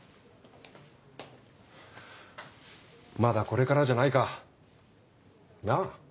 まだこれからじゃないかなぁ？